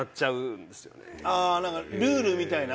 ああなんかルールみたいな？